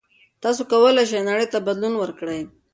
تاسو کولای شئ نړۍ ته بدلون ورکړئ.